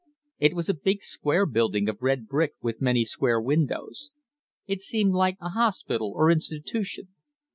It was a big square building of red brick with many square windows. It seemed like a hospital or institution.